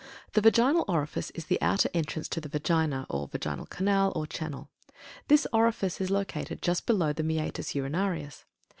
THE VAGINAL ORIFICE is the outer entrance to the Vagina, or Vaginal Canal or Channel. This orifice is located just below the Meatus Urinarius.